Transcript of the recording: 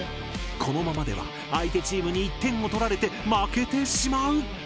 このままでは相手チームに１点を取られて負けてしまう。